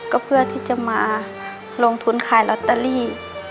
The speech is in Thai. ก็เพื่อที่จะมาลงทุนขายลอตเตอรี่